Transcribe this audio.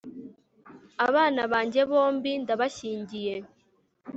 abana banjye bombi ndabashyingiye